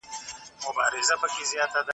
ننني آزاد اقتصادونه ډېر بدل شوي دي.